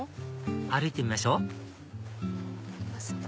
歩いてみましょ